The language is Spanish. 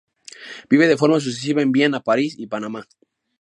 Vive de forma sucesiva en Viena, París y Panamá.